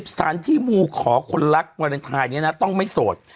สถานที่มูขอคนรักวาเลนไทยนี้นะต้องไม่โสด